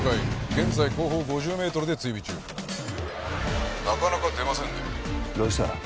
現在後方５０メートルで追尾中なかなか出ませんねどうした？